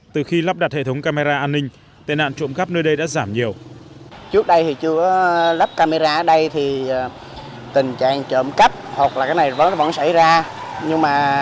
từ khi lắp đặt hệ thống camera an ninh tệ nạn trộm cắp nơi đây đã giảm nhiều